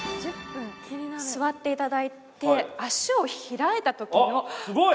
座っていただいて脚を開いた時のあすごい！